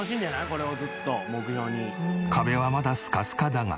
これをずっと目標に」